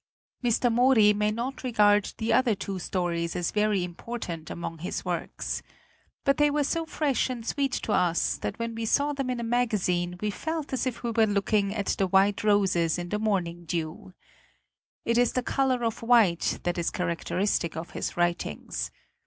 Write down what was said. Mr. Mori may not regard the other two stories as very important among his works. But they were so fresh and sweet to us that when we saw them in a magazine we felt as if we were looking XV INTRODUCTION at the white roses in the morning dew. It is the color of white that is charac teristic of his writings.